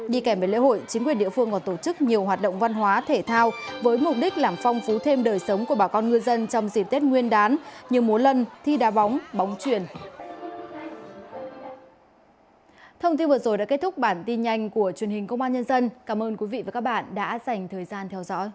đi kèm với lễ hội chính quyền địa phương còn tổ chức nhiều hoạt động văn hóa thể thao với mục đích làm phong phú thêm đời sống của bà con ngư dân trong dịp tết nguyên đán như múa lân thi đà bóng bóng truyền